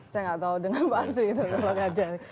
saya tidak tahu dengan pasti itu berapa gajinya